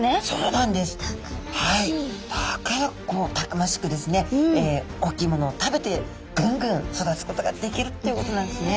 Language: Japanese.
だからこうたくましくですね大きいものを食べてぐんぐん育つことができるっていうことなんですね。